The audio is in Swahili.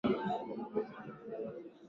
ya thamani ya fedha ya kichina maanake at least